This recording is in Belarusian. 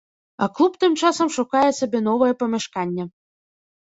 А клуб тым часам шукае сабе новае памяшканне.